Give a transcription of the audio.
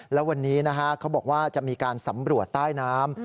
แล้ววันนี้เขาบอกว่าจะมีการสำรวจใต้น้ำ